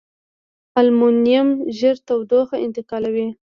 المونیم ژر تودوخه انتقالوي.